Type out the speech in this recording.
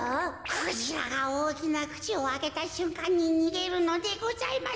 クジラがおおきなくちをあけたしゅんかんににげるのでございます。